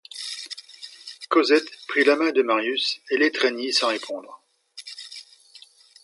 Cosette prit la main de Marius et l'étreignit sans répondre.